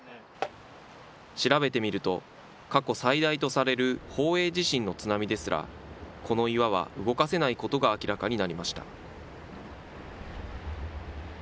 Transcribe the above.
調べてみると、過去最大とされる宝永地震の津波ですら、この岩は動かせないことが明らかになりました。